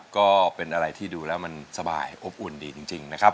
ก็เป็นอะไรที่ดูแล้วมันสบายอบอุ่นดีจริงนะครับ